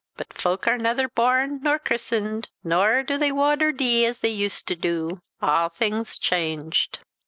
But fowk are naither born, nor kirsened, nor do they wad or dee as they used to du awthing's changed."